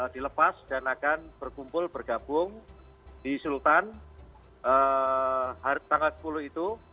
dilepas dan akan berkumpul bergabung di sultan tanggal sepuluh itu